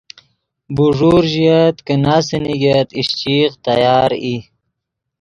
بوݱور ژئیت کہ ناسے نیگت اشچیغ تیار ای